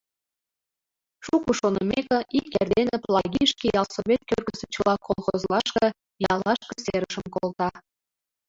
Шуко шонымеке, ик эрдене Плагий шке ялсовет кӧргысӧ чыла колхозлашке, яллашке серышым колта.